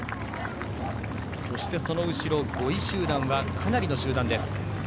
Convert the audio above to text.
そして、その後ろ５位集団はかなりの集団。